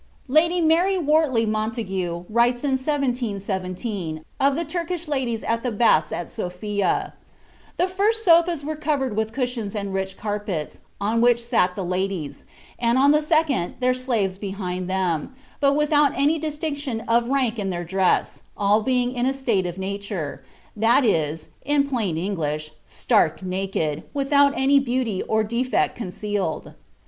Lady Mary Wortley Montague writes in 1717, of the Turkish ladies at the baths at Sophia: "The first sofas were covered with cushions and rich carpets, on which sat the ladies, and on the second, their slaves behind them, but without any distinction of rank in their dress, all being in a state of Nature; that is, in plain English, stark naked, without any beauty or defect concealed.